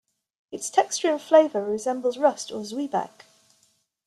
Its texture and flavour resembles rusk or zwieback.